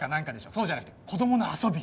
そうじゃなくて子供の遊び。